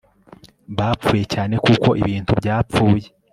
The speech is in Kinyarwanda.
Bapfuye cyane kuko ibintu byapfuye